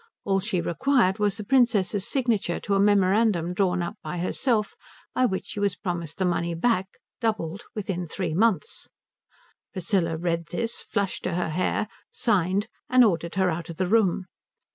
All she required was the Princess's signature to a memorandum drawn up by herself by which she was promised the money back, doubled, within three months. Priscilla read this, flushed to her hair, signed, and ordered her out of the room.